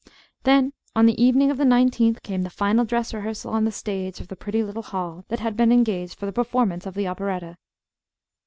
Then, on the evening of the nineteenth, came the final dress rehearsal on the stage of the pretty little hall that had been engaged for the performance of the operetta.